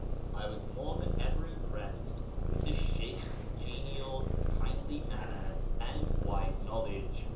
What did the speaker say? I was more than ever impressed with the Sheykh's KIRMAN society 445 genial, kindly manner, and wide knowledge.